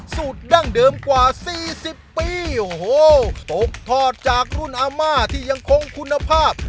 ดั้งเดิมกว่าสี่สิบปีโอ้โหตกทอดจากรุ่นอาม่าที่ยังคงคุณภาพ